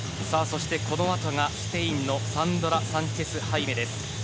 そして、この後がスペインのサンドラ・サンチェス・ハイメです。